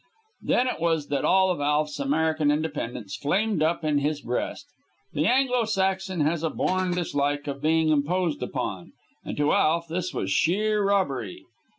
Then it was that all of Alf's American independence flamed up in his breast. The Anglo Saxon has a born dislike of being imposed upon, and to Alf this was sheer robbery!